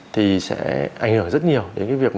thì sẽ ảnh hưởng rất nhiều đến cái việc